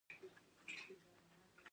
آیا لویدیځ د دوی په اټومي پروګرام شک نلري؟